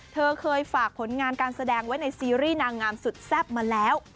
เธอเคยฝากผลงานการแสดงไว้ในซีรีส์นางงามสุดแซ่บมาแล้ว